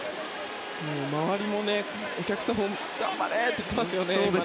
周りのお客さんも頑張れって言ってますね。